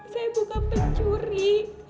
saya bukan pencuri